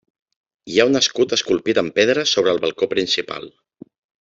Hi ha un escut esculpit en pedra sobre el balcó principal.